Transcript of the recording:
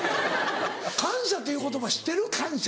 感謝という言葉知ってる？感謝！